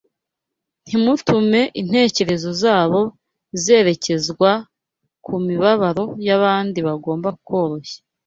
Nimutume intekerezo zabo zerekezwa ku mibabaro y’abandi bagomba koroshya